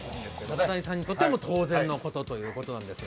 中谷さんにとって当然のことということですが。